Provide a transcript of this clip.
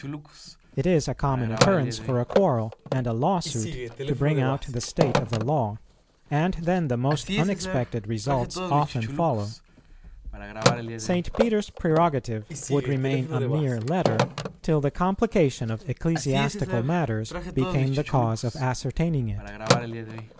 It is a common occurrence for a quarrel and a lawsuit to bring out the state of the law, and then the most unexpected results often follow. St. Peter's prerogative would remain a mere letter, till the complication of ecclesiastical matters became the cause of ascertaining it.